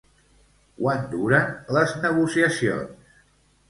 Quant duren les negociacions?